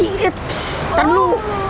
hai itu terlalu